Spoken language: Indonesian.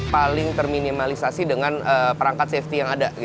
paling terminimalisasi dengan perangkat safety yang ada